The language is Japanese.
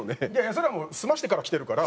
それはもう済ましてから来てるから。